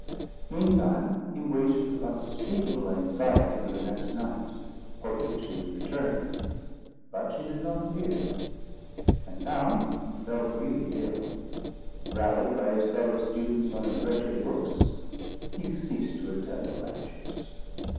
Meantime he waited with unspeakable anxiety for the next night, hoping she would return: but she did not appear. And now he fell really ill. Rallied by his fellow students on his wretched looks, he ceased to attend the lectures.